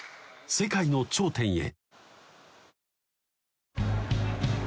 世界の頂点へ！